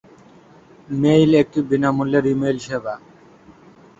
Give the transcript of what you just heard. Mail একটি বিনামূল্যের email সেবা।